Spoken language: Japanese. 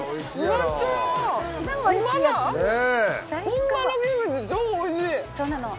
本場のキムチ超おいしい！